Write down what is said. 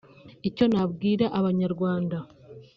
Icyo nabwira abanyarwanda